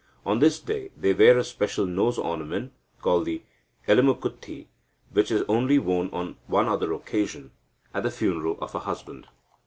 On this day they wear a special nose ornament called elemukkuththi, which is only worn on one other occasion, at the funeral of a husband.